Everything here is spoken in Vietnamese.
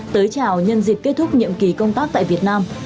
tới chào nhân dịp kết thúc nhiệm kỳ công tác tại việt nam